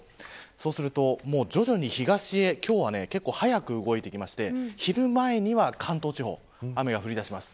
そうすると徐々に東へ今日は結構早く動いていきまして昼前には関東地方雨が降りだします。